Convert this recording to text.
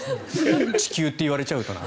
地球って言われちゃうとな。